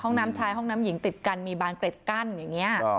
น้ำชายห้องน้ำหญิงติดกันมีบานเกร็ดกั้นอย่างนี้